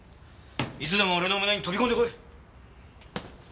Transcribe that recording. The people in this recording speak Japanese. いつでも俺の胸に飛び込んで来い！